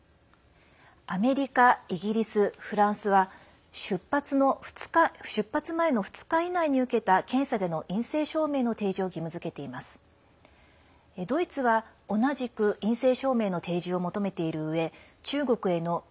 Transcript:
アメリカ、イギリス、フランスは出発前の２日以内に受けた検査での陰性証明の提示を義務づけています。